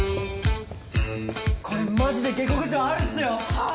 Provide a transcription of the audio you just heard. これマジで下克上あるっすよはあ？